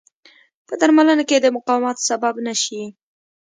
په درملنه کې د مقاومت سبب نه شي.